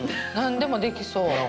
何でもできそう。